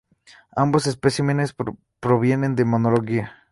Ambos especímenes provienen de Mongolia.